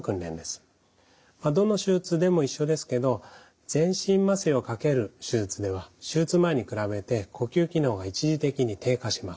どの手術でも一緒ですけど全身麻酔をかける手術では手術前に比べて呼吸機能が一時的に低下します。